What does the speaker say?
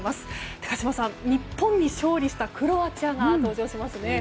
高島さん、日本の勝利したクロアチアが登場しますね。